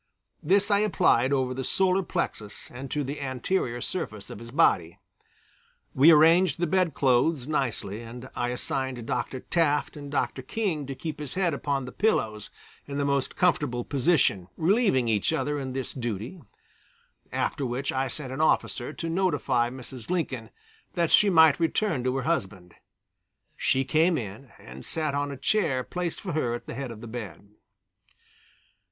This I applied over the solar plexus and to the anterior surface of his body. We arranged the bed clothes nicely and I assigned Dr. Taft and Dr. King to keep his head upon the pillows in the most comfortable position, relieving each other in this duty, after which I sent an officer to notify Mrs. Lincoln that she might return to her husband; she came in and sat on a chair placed for her at the head of the bed.